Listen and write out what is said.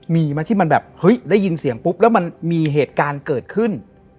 มีไหมที่มันแบบเฮ้ยได้ยินเสียงปุ๊บแล้วมันมีเหตุการณ์เกิดขึ้น